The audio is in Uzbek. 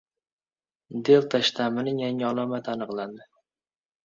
"Delta" shtammining yangi alomati aniqlandi